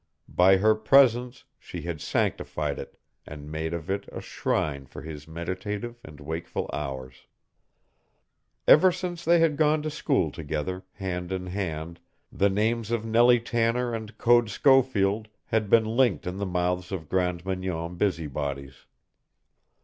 By her presence she had sanctified it and made of it a shrine for his meditative and wakeful hours. Ever since they had gone to school together, hand in hand, the names of Nellie Tanner and Code Schofield had been linked in the mouths of Grande Mignon busybodies.